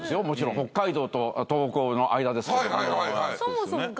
もちろん北海道と東北の間ですからね。